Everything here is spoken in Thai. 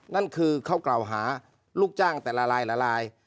นั่นคือเข้ากล่าวหาลูกจ้างแต่ละลาย